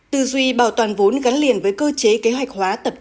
tư duy bảo toàn vốn gắn liền với cơ chế kế hoạch hóa tập trung